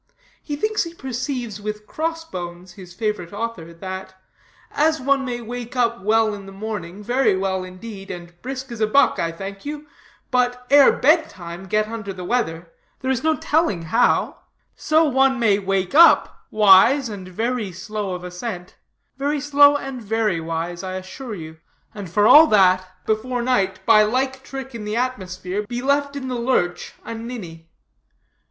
He thinks he perceives with Crossbones, his favorite author, that, as one may wake up well in the morning, very well, indeed, and brisk as a buck, I thank you, but ere bed time get under the weather, there is no telling how so one may wake up wise, and slow of assent, very wise and very slow, I assure you, and for all that, before night, by like trick in the atmosphere, be left in the lurch a ninny.